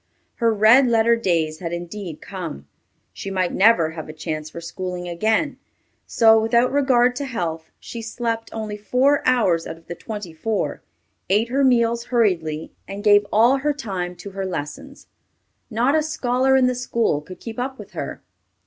Her red letter days had indeed come. She might never have a chance for schooling again; so, without regard to health, she slept only four hours out of the twenty four, ate her meals hurriedly, and gave all her time to her lessons. Not a scholar in the school could keep up with her.